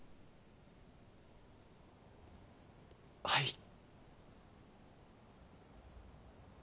はい。